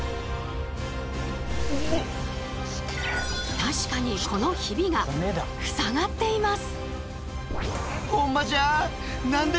確かにこのヒビがふさがっています。